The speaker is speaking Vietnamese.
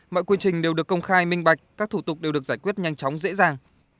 mọi quy trình đều được công khai minh bạch các thủ tục đều được giải quyết nhanh chóng dễ dàng